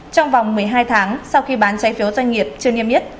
trong vòng một mươi hai tháng sau khi bán trái phiếu doanh nghiệp chưa niêm yết